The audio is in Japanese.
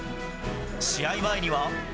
試合前には。